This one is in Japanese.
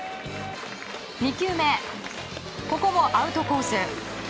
２球目、ここもアウトコース。